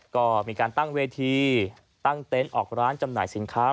ก็มีการตั้งเวทีตั้งเต็นต์ออกร้านจำหน่ายสินค้า